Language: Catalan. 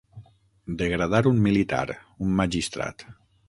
Degradar un militar, un magistrat.